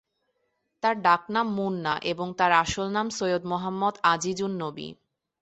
তার ডাক নাম মুন্না এবং তার আসল নাম সৈয়দ মোহাম্মদ আজিজ-উন-নবী।